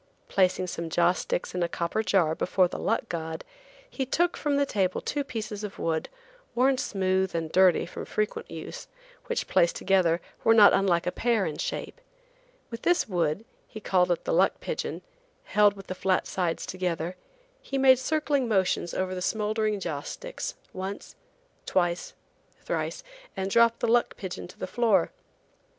Placing some joss sticks in a copper jar before the luck god, he took from the table two pieces of wood, worn smooth and dirty from frequent use, which, placed together, were not unlike a pear in shape. With this wood–he called it the "luck pigeon"–held with the flat sides together, he made circling motions over the smouldering joss sticks, once, twice, thrice, and dropped the luck pigeon to the floor.